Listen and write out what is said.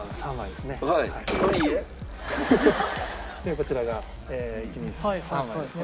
こちらが１２３枚ですね。